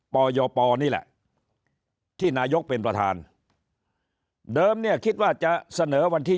ปยปนี่แหละที่นายกเป็นประธานเดิมเนี่ยคิดว่าจะเสนอวันที่